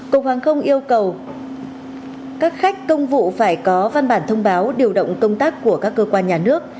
cục hàng không yêu cầu các khách công vụ phải có văn bản thông báo điều động công tác của các cơ quan nhà nước